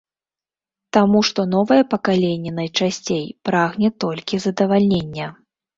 Таму што новае пакаленне найчасцей прагне толькі задавальнення.